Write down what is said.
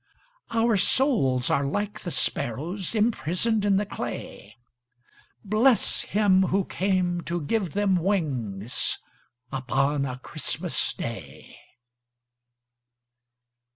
Our souls are like the sparrows Imprisoned in the clay, Bless Him who came to give them wings Upon a Christmas Day!